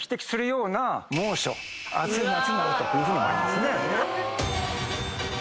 暑い夏になるというふうに思いますね。